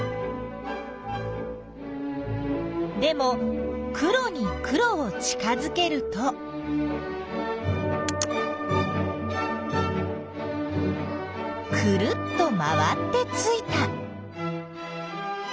でも黒に黒を近づけるとくるっと回ってついた。